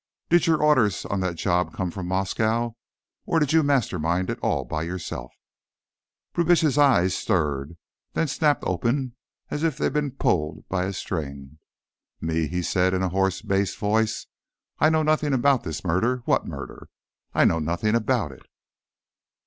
"Did your orders on that job come from Moscow, or did you mastermind it all by yourself?" Brubitsch's eyes stirred, then snapped open as if they'd been pulled by a string. "Me?" he said in a hoarse bass voice. "I know nothing about this murder. What murder? I know nothing about it."